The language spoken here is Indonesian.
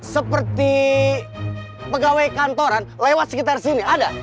seperti pegawai kantoran lewat sekitar sini ada